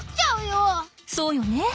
そうよね。